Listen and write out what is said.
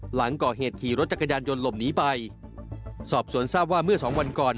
หลังก่อเหตุขี่รถจักรยานยนต์หลบหนีไปสอบสวนทราบว่าเมื่อสองวันก่อน